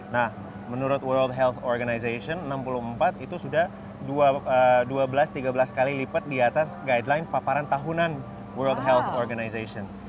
nah menurut world health organization enam puluh empat itu sudah dua belas tiga belas kali lipat di atas guideline paparan tahunan world health organization